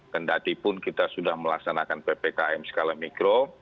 kendatipun kita sudah melaksanakan ppkm skala mikro